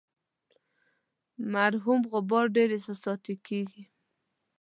مرحوم غبار ډیر احساساتي کیږي.